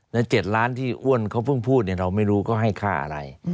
แล้ว๗ล้านที่อ้วนเขาเพิ่งพูดเราไม่รู้เขาให้ค่าอะไร